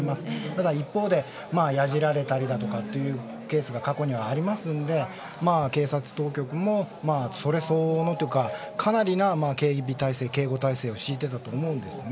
ただ一方でやじられたりだとかというケースが過去にはありますので警察当局も、それ相応のというかかなりな警備態勢、警護態勢を敷いていたと思うんです。